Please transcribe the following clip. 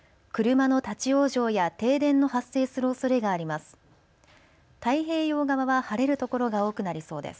車の立往生や停電の発生するおそれがあります。